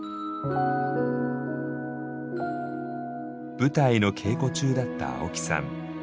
舞台の稽古中だった青木さん。